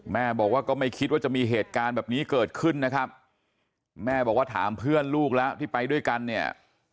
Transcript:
แม่บอกว่าก็ไม่คิดว่าจะมีเหตุการณ์แบบนี้เกิดขึ้นนะครับแม่บอกว่าถามเพื่อนลูกแล้วที่ไปด้วยกันเนี่ย